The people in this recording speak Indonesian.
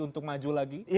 untuk maju lagi